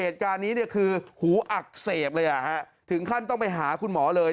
ถึงขั้นต้องไปหาคุณหมอเลย